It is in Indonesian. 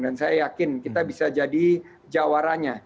dan saya yakin kita bisa jadi jawarannya